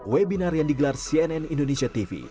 webinar yang digelar cnn indonesia tv